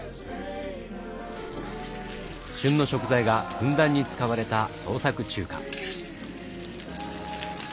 旬の食材がふんだんに使われた創作中華。